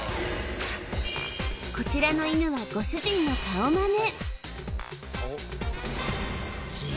こちらの犬はご主人の顔マネ